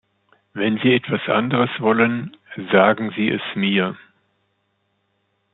Wenn Sie etwas anderes wollen, sagen Sie es mir.